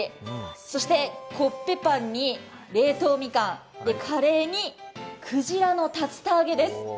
そして、コッペパンに冷凍みかん、カレーに鯨の竜田揚げです。